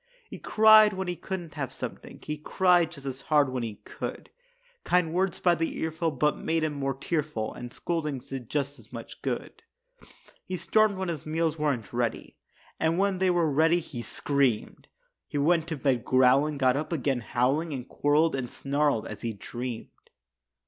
He cried when he couldn't have something; He cried just as hard when he could; Kind words by the earful but made him more tearful, And scoldings did just as much good. He stormed when his meals weren't ready, And when they were ready, he screamed. He went to bed growling, got up again howling And quarreled and snarled as he dreamed.